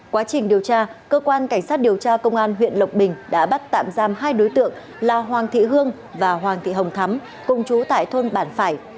quá trình điều tra cơ quan cảnh sát điều tra công an huyện lộc bình đã bắt tạm giam hai đối tượng là hoàng thị hương và hoàng thị hồng thắm công chú tại thôn bản phải